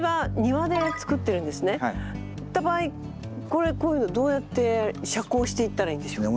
これこういうのどうやって遮光していったらいいんでしょう？